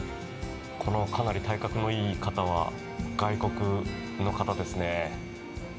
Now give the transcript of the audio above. このかなり体格のいい方は外国の方ですね。